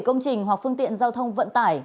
công trình hoặc phương tiện giao thông vận tải